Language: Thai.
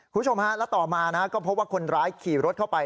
คุณผู้ชมฮะแล้วต่อมาก็พบว่าคนร้ายขี่รถเข้าไป